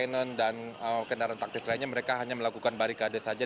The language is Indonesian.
begitu juga dengan water cannon dan kendaraan taktis lainnya mereka hanya melakukan barikade saja